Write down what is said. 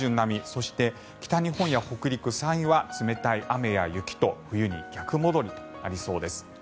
そして北日本や北陸山陰は冷たい雨や雪と冬に逆戻りとなりそうです。